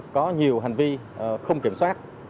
có nhiều hành vi không kiểm soát